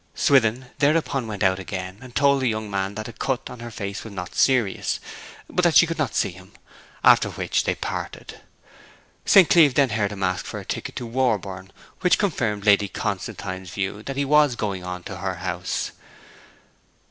Swithin thereupon went out again, and told the young man that the cut on her face was not serious, but that she could not see him; after which they parted. St. Cleeve then heard him ask for a ticket for Warborne, which confirmed Lady Constantine's view that he was going on to her house.